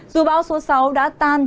dù bão số sáu đã tan